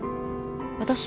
私？